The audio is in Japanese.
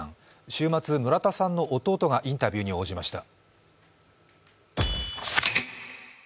週末、村田さんの弟がインタビューに応じました。